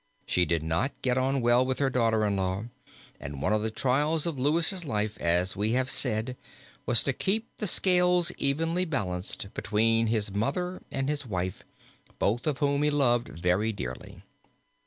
She did not get on well with her daughter in law and one of the trials of Louis' life, as we have said, was to keep the scales evenly balanced between his mother and his wife, both of whom he loved very dearly.